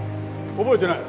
覚えてない？